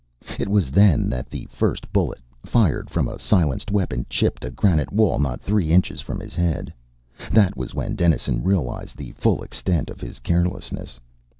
It was then that the first bullet, fired from a silenced weapon, chipped a granite wall not three inches from his head. That was when Dennison realized the full extent of his carelessness.